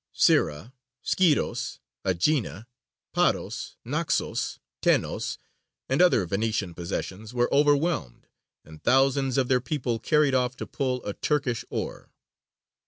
Syra, Skyros, Aegina, Paros, Naxos, Tenos, and other Venetian possessions were overwhelmed, and thousands of their people carried off to pull a Turkish oar.